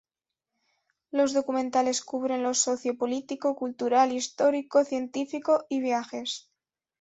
Los documentales cubren lo socio-político, cultural, histórico, científico, y viajes.